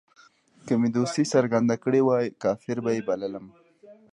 که مې دوستي څرګنده کړې وای کافر به یې بللم.